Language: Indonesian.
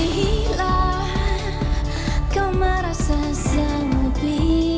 bila kau merasa sanggupi